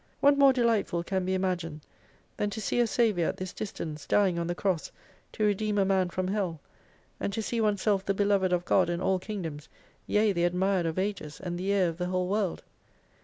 What more delightful can be imagined, than to see a Saviour at this distance, dying on the Cross to redeem a man from Hell, and to see oneself the beloved of God and all Kingdoms, yea, the admired of ages, and the heir of the whole world